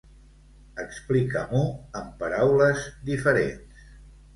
Explica-m'ho amb paraules diferents.